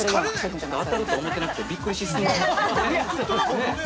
◆ちょっと当たると思ってなくてびっくりしすぎてます。